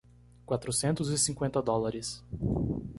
Quatrocentos e cinquenta dólares.